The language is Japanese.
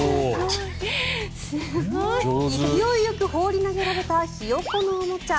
勢いよく放り投げられたヒヨコのおもちゃ。